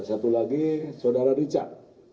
satu lagi saudara richard